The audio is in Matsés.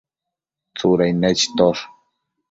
Tsudain nechitosh